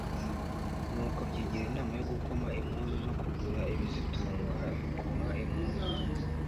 nuko byigira inama yo gukoma impuzu zo kugura ibizitunga, bikoma impuzu